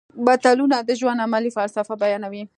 متلونه د ژوند عملي فلسفه بیانوي